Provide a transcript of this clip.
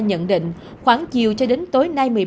nhận định khoảng chiều cho đến tối nay